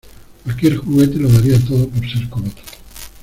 ¡ Cualquier juguete lo daría todo por ser como tú!